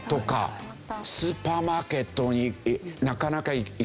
スーパーマーケットになかなか行きづらい。